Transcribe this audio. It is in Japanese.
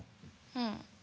うん。